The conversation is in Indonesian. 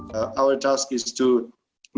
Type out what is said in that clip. kita adalah teman